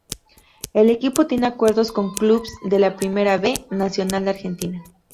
El equipo tiene acuerdos con clubes de la Primera "B" Nacional de Argentina.